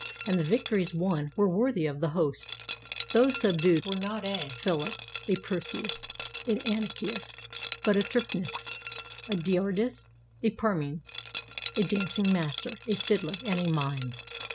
And the victories won were worthy of the host; those subdued were not a Philip, a Perseus, an Antiochus, but a Terpnus, a Diodoris, and a Parmenes, a dancing master, a fiddler, and a mime.